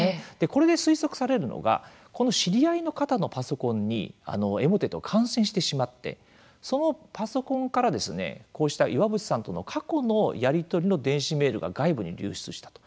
これで推測されるのがこの知り合いの方のパソコンにエモテットが感染してしまってそのパソコンからこうした岩渕さんとの過去のやり取りの電子メールが外部に流出したと。